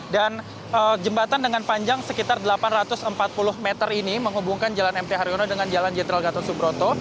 dan jembatan dengan panjang sekitar delapan ratus empat puluh meter ini menghubungkan jalan mph haryono dengan jalan jenderal gatot subroto